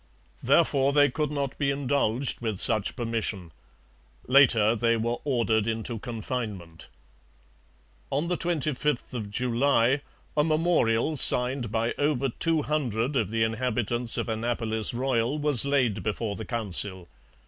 Therefore they could not be indulged with such permission. Later they were ordered into confinement. On the 25th of July a memorial signed by over two hundred of the inhabitants of Annapolis Royal was laid before the Council.